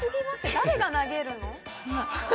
誰が投げるの？